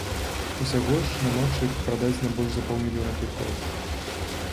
Усяго ж на матчы прададзена больш за паўмільёна квіткоў.